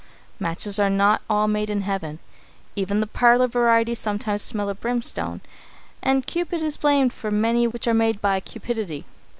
Matches are not all made in heaven. Even the parlour variety sometimes smell of brimstone, and Cupid is blamed for many which are made by cupidity.